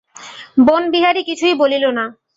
বনবিহারী কিছুই বলিল না।